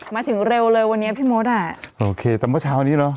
เร็วเลยวันนี้พี่มดอ่ะโอเคแต่เมื่อเช้านี้เหรอ